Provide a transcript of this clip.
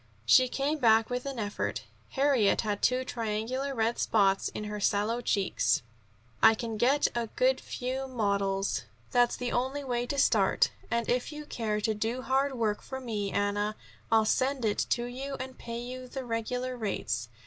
She came back with an effort. Harriet had two triangular red spots in her sallow cheeks. "I can get a few good models that's the only way to start. And if you care to do hand work for me, Anna, I'll send it to you, and pay you the regular rates.